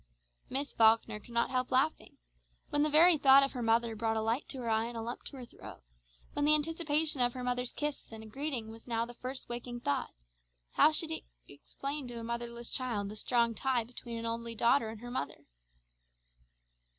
Miss Falkner could not help laughing. When the very thought of her mother brought a light to her eye and a lump in her throat; when the anticipation of her mother's kiss and greeting was now the first waking thought, how could she explain to a motherless child the strong tie between an only daughter and her mother!